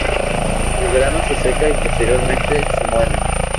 El grano se seca y posteriormente se muele.